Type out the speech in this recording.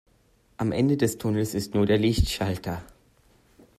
Am Ende des Tunnels ist nur der Lichtschalter.